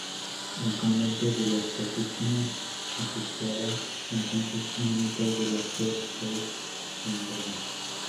El convento de las capuchinas ocupaba entonces una mitad de la actual Place Vendôme.